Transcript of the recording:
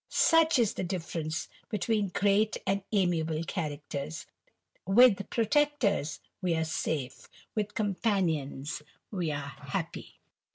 Such is the difference between great and amiable dhaucteis; with protectors we are safe, with companions E happy.